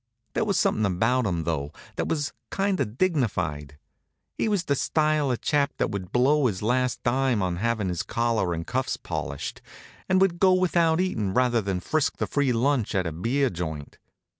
There was something about him, though, that was kind of dignified. He was the style of chap that would blow his last dime on havin' his collar 'n' cuffs polished, and would go without eatin' rather than frisk the free lunch at a beer joint.